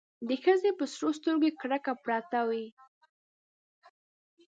د ښځې په سرو سترګو کې کرکه پرته وه.